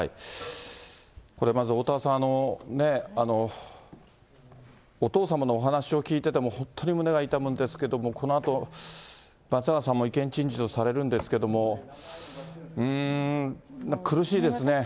これおおたわさん、お父様のお話を聞いてても、本当に胸が痛むんですけども、このあと松永さんも意見陳述をされるんですけれども、うーん、苦しいですね。